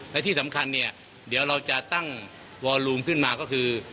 และที่สำคัญเนี่ยเดี๋ยวเราจะตั้งวอลูมขึ้นมาก็คือ